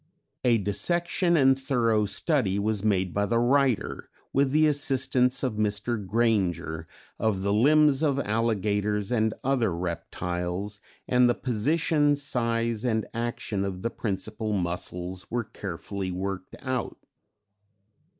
"A dissection and thorough study was made by the writer, with the assistance of Mr. Granger, of the limbs of alligators and other reptiles, and the position, size and action of the principal muscles were carefully worked out.